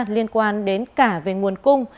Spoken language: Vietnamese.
liên quan đến cả về nguồn cung